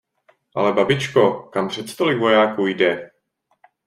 Ale babičko, kam přece tolik vojáků jde?